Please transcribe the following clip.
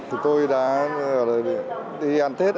chúng tôi đã đi ăn tết